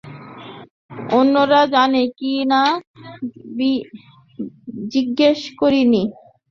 অন্যরা জানে কি না জিজ্ঞেস করি নি।